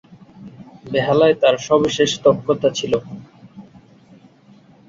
বেহালায় তার সবিশেষ দক্ষতা ছিল।